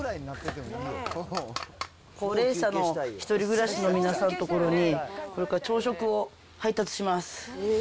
高齢者の１人暮らしの皆さんの所に、これから朝食を配達します。